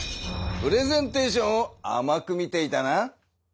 プレゼンテーションをあまく見ていたな。